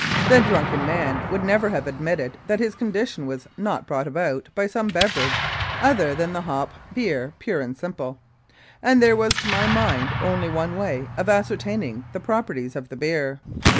The drunken man would never have admitted that his condition was not brought about by some beverage other than the hop beer pure and simple, and there was to my mind only one way of ascertaining the properties of the beer.